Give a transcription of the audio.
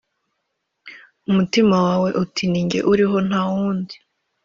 Umutima wawe uti ni jye uriho nta wundi .